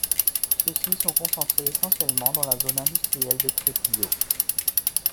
Ceux-ci sont concentrés essentiellement dans la zone industrielle de Trépillot.